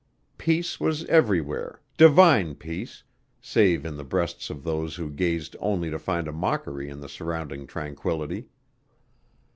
Peace was everywhere, divine peace, save in the breasts of those who gazed only to find a mockery in the surrounding tranquillity.